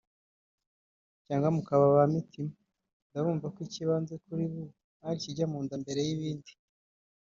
cyangwa mukaba ba Mitima Nda bumva ko ikibanze kuri bo ari ikijya mu nda mbere y’ibindi